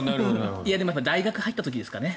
でも大学に入った時ですかね。